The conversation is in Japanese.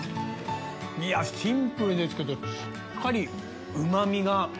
いやシンプルですけどしっかりうま味が。